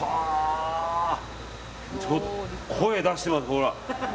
ちょっと声出してます。